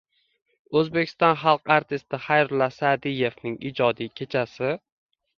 O‘zbekiston xalq artisti Xayrulla Sa’diyevning ijodiy kechasi